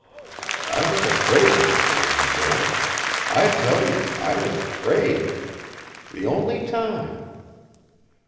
I was afraid of the man, Joel. I tell you I was afraid. The only time.